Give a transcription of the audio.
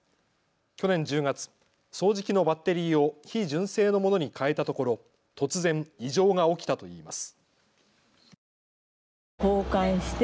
去年１０月、掃除機のバッテリーを非純正のものに代えたところ突然、異常が起きたといいます。